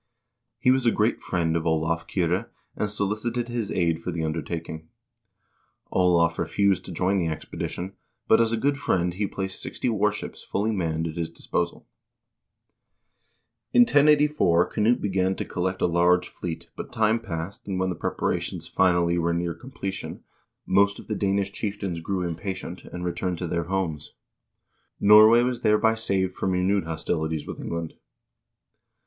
He was a great friend of Olav Kyrre, and solicited his aid for the undertaking. Olav refused to join the expedition, but as a good friend he placed sixty warships fully manned at his disposal. In 1084 Knut began to collect a large fleet, but time passed, and when the preparations finally were near 1 Heimskringla, Olav Kyrre's Saga, ch. I. 296 HISTORY OF THE NORWEGIAN PEOPLE completion, most of the Danish chieftains grew impatient and re turned to their homes. Norway was thereby saved from renewed hostilities with England.